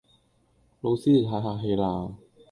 老師你太客氣啦